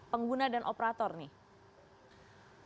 pengguna dan operator nih